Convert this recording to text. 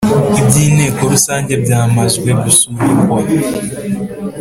iby’ inteko rusange byamazwe gusubikwa